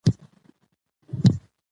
ادبي غونډې د پوهې د خپراوي وسیله ده.